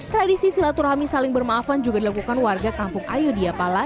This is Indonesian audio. tradisi silaturahmi saling bermaafan juga dilakukan warga kampung ayodia pala